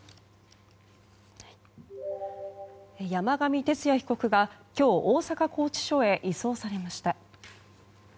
山上徹也被告が今日、大阪拘置所へ移送されました。